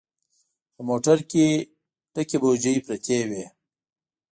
په موټر کې ډکې بوجۍ پرتې وې.